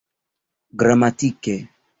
gramatike